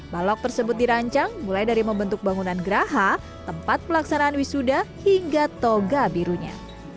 balok tersebut dirancang mulai dari membentuk bangunan geraha tempat pelaksanaan wisuda hingga toga birunya